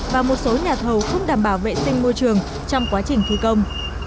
và một số nhà thầu không đảm bảo vệ sinh môi trường trong quá trình thi công